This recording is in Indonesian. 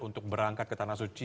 untuk berangkat ke tanah suci